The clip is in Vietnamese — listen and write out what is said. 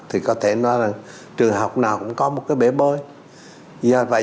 thì có thể nói là trường học nào cũng có một cái bể bơi